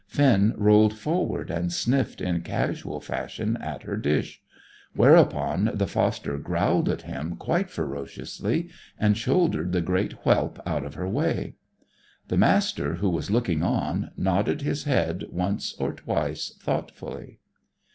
Finn rolled forward and sniffed in casual fashion at her dish. Whereupon the foster growled at him quite ferociously, and shouldered the great whelp out of her way. The Master, who was looking on, nodded his head once or twice thoughtfully.